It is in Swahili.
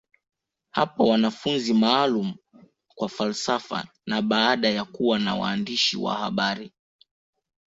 Hapa wanafunzi maalumu kwa falsafa na baada ya kuwa na waandishi wa habari